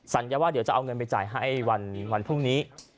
สัญญาว่าเดี๋ยวจะเอาเงินไปจ่ายให้วันพรุ่งนี้